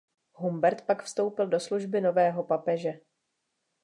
Humbert pak vstoupil do služby nového papeže.